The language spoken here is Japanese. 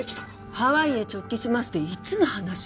「ハワイへ直帰します」っていつの話？